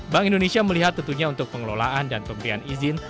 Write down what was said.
bank indonesia melihat tentunya untuk pengelolaan dan pemberian izin